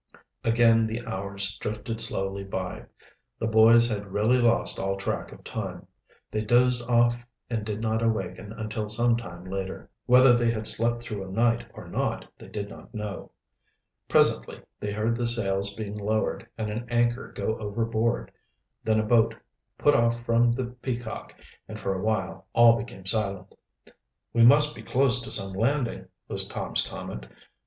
Again the hours drifted slowly by. The boys had really lost all track of time. They dozed off and did not awaken until some time later. Whether they had slept through a night or not they did not know. Presently they heard the sails being lowered and an anchor go overboard. Then a boat put off from the Peacock, and for a while all became silent. "We must be close to some landing," was Tom's comment.